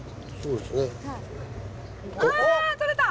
あとれた！